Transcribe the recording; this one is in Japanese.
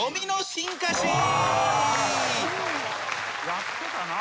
やってたな。